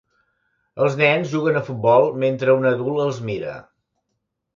Els nens juguen a futbol, mentre un adult els mira.